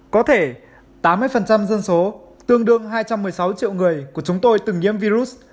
có thể tám mươi dân số tương đương hai trăm một mươi sáu triệu người của chúng tôi từng nhiễm virus